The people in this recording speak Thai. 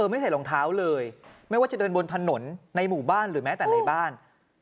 ไม่ใส่รองเท้าเลยไม่ว่าจะเดินบนถนนในหมู่บ้านหรือแม้แต่ในบ้าน